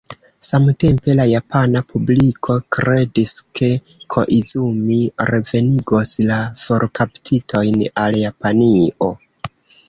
Samtempe la japana publiko kredis, ke Koizumi revenigos la forkaptitojn al Japanio.